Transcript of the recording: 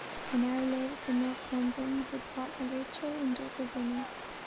He now lives in North London with partner Rachel and daughter Winnie.